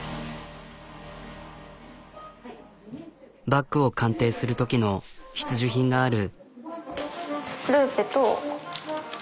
バッグを鑑定するときの必需品がある。